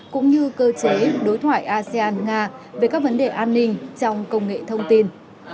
cũng như cơ chế đối thoại asean nga về các vấn đề an ninh trong công nghệ thông tin